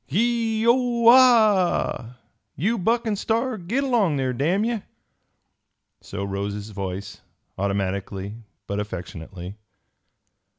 "Gee whoa haw! You Buck an' Star, git along there, damn ye!" So rose his voice, automatically but affectionately.